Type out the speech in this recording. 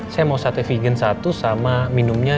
saya mau satu vegan satu sama minumnya